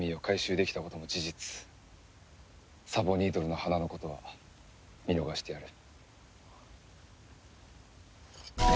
サボニードルの花のことは見逃してやる。